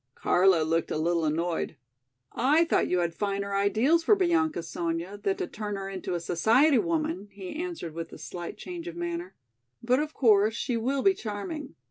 Carlo looked a little annoyed. "I thought you had finer ideals for Bianca, Sonya, than to turn her into a society woman!" he answered with a slight change of manner. "But of course she will be charming.